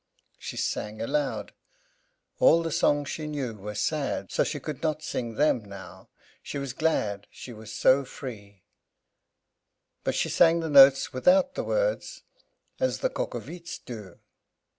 She sang aloud. All the songs she knew were sad, so she could not sing them now, she was glad, she was so free; but she sang the notes without the words, as the cock o veets do.